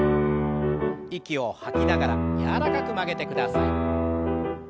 息を吐きながら柔らかく曲げてください。